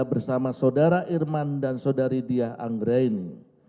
bersama saudara irman dan saudari diah anggraini